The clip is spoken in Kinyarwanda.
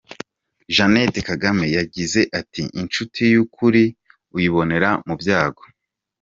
Jeannette Kagame yagize ati :”Inshuti y’ukuri uyibonera mu byago”.